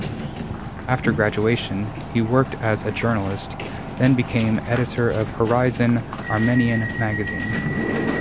After graduation, he worked as a journalist, then became editor of Horizon Armenian magazine.